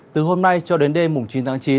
từ hôm nay cho đến đêm chín tháng chín